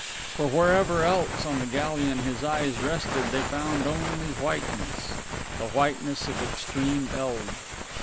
For wherever else on the galleon his eyes rested they found only whiteness the whiteness of extreme eld.